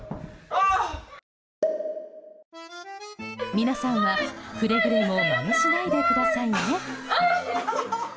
皆さんは、くれぐれもまねしないでくださいね。